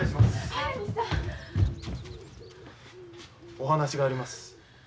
お話があります。